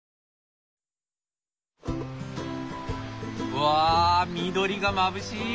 わあ緑がまぶしい。